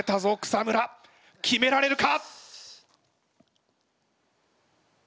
草村決められるか！？